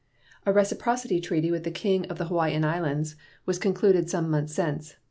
A reciprocity treaty with the King of the Hawaiian Islands was concluded some months since.